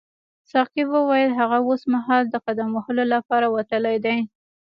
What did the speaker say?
ساقي وویل هغه اوسمهال د قدم وهلو لپاره وتلی دی.